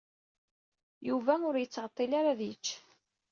Yuba ur yettɛeṭṭil ara ad yečč.